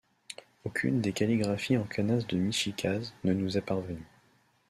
Aucune des calligraphies en kanas de Michikaze ne nous est parvenue.